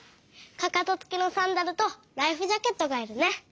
かかとつきのサンダルとライフジャケットがいるね！